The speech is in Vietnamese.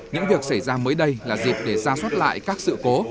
những việc xảy ra mới đây là dịp để ra soát lại các sự cố